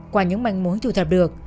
qua những mảnh mối thu thập được